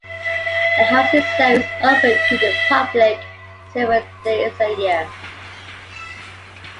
The house itself is open to the public several days a year.